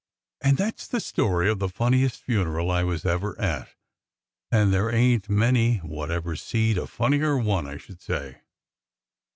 And that's the story of the funniest funeral I was ever at, and there ain't many wot ever seed a funnier one, I should say."